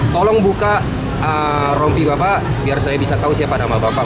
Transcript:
tolong buka rompi bapak biar saya bisa tahu siapa nama bapak